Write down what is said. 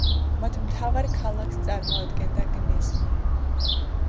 მათ მთავარ ქალაქს წარმოადგენდა გნეზნო.